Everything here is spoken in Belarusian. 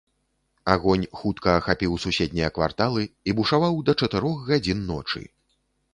Агонь хутка ахапіў суседнія кварталы і бушаваў да чатырох гадзін ночы.